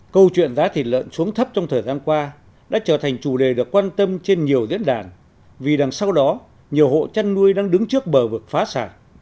câu chuyện giá thịt lợn xuống thấp trong thời gian qua đã trở thành chủ đề được quan tâm trên nhiều diễn đàn vì đằng sau đó nhiều hộ chăn nuôi đang đứng trước bờ vực phá sản